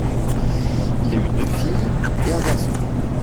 Il a eu deux filles et un garçon.